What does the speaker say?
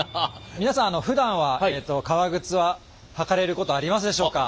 皆さんふだんは革靴は履かれることありますでしょうか？